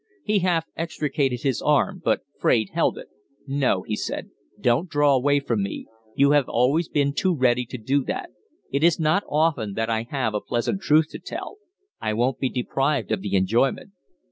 He half extricated his arm, but Fraide held it. "No," he said. "Don't draw away from me. You have always been too ready to do that. It is not often I have a pleasant truth to tell. I won't be deprived of the enjoyment."